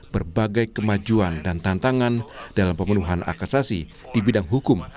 berbagai kemajuan dan tantangan dalam pemenuhan hak asasi di bidang hukum